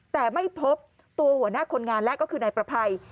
แต่ไม่พบตัวหัวหน้าคนงานและก็คือนายประภัย